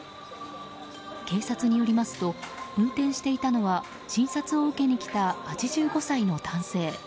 警察によりますと運転していたのは診察を受けに来た８５歳の男性。